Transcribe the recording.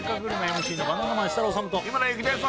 ＭＣのバナナマン設楽統と日村勇紀です